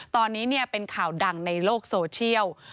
ตอนนี้เป็นข่าวดังในโลกโซเชียล